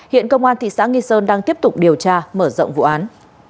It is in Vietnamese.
hiện công an thị xã nghi sơn đang tiếp tục điều tra mở rộng vụ án